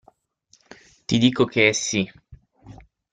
Ti dico che è sì!